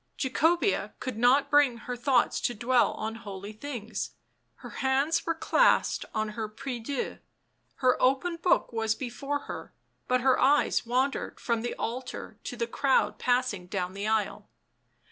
Jacobea could not bring her thoughts to dwell on holy things; her hands were clasped on her prie Dieu, her open book was before her, but her eyes wandered from the altar to the crowd passing down the aisle.